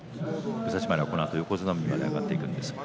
武蔵丸は、このあと横綱まで上がっていきます。